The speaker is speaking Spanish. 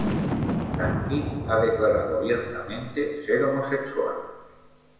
Frankie ha declarado abiertamente ser homosexual.